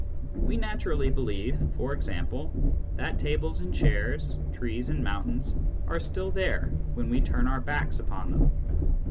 We naturally believe, for example, that tables and chairs, trees and mountains, are still there when we turn our backs upon them.